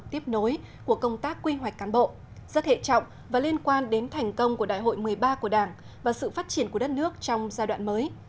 tiếp nối của công tác quy hoạch cán bộ rất hệ trọng và liên quan đến thành công của đại hội một mươi ba của đảng và sự phát triển của đất nước trong giai đoạn mới